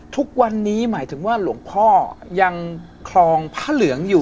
ทุกวันนี้หมายถึงว่าหลวงพ่อยังคลองพระเหลืองอยู่